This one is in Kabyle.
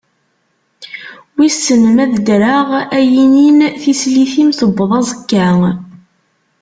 Wissen ma ad ddreɣ ad iyi-inin, tislit-im tewweḍ aẓekka.